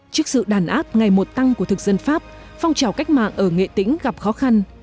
trước sự đàn áp ngày một tăng của thực dân pháp phong trào cách mạng ở nghệ tĩnh gặp khó khăn